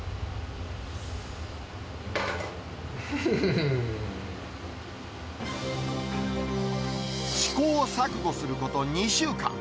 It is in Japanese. うーん。試行錯誤すること２週間。